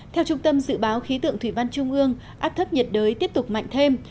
theo trung tâm dự báo khí tượng thủy văn trung ương áp thấp nhiệt đới tiếp tục mạnh thêm